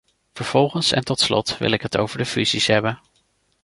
Vervolgens en tot slot wil ik het over de fusies hebben.